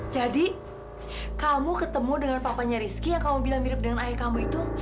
jadi kamu ketemu dengan papanya rizky yang kamu bilang mirip dengan ayah kamu itu